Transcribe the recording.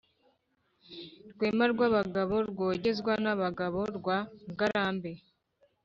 Rwema rw’abagabo rwogezwa n’abagabo rwa Ngarambe,